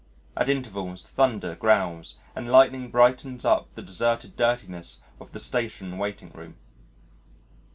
At intervals thunder growls and lightning brightens up the deserted dirtiness of the Station Waiting Room.